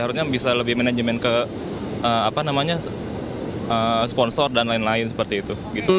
harusnya bisa lebih manajemen ke sponsor dan lain lain seperti itu